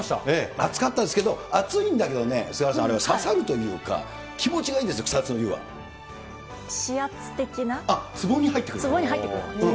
熱かったですけど、熱いんだけどね、菅原さん、あれ刺さるというか、気持ちがいいんですよ、指圧的な？あっ、つぼに入ってくるといつぼに入ってくる。